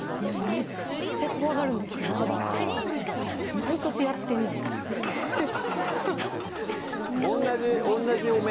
めっちゃ怖がるんですよまだ毎年やってんのに同じお面？